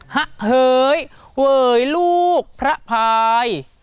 ฮะเฮ๋ยเวยลูกพระภาย